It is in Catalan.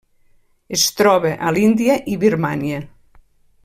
Es troba a l'Índia i Birmània.